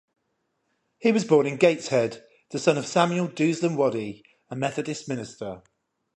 He was born in Gateshead, the son of Samuel Dousland Waddy, a Methodist minister.